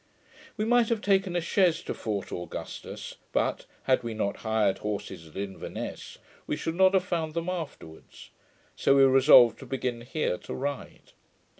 We might have taken a chaise to Fort Augustus, but, had we not hired horses at Inverness, we should not have found them afterwards: so we resolved to begin here to ride.